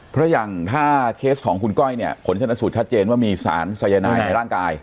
เพราะอย่างถ้าเคสของคุณก้อยเนี่ยผลชนสูตรชัดเจนว่ามีสารสายนายในร่างกาย